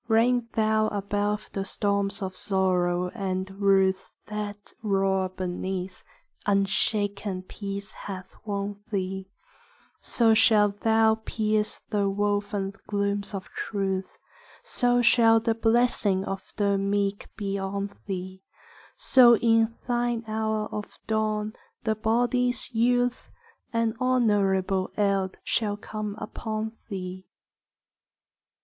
Reign thou above the storms of sorrow and ruth That roar beneath; unshaken peace hath won thee: So shall thou pierce the woven glooms of truth; So shall the blessing of the meek be on thee; So in thine hour of dawn, the body's youth, An honourable eld shall come upon thee.